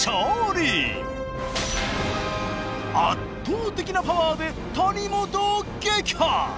圧倒的なパワーで谷本を撃破！